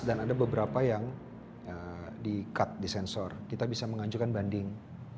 dan ada beberapa yang di cut disensor kita bisa mengajukan banding